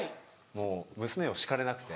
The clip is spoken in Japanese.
もう娘を叱れなくて。